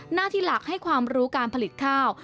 หน้าที่หลักให้ความรู้การผลิตข้าว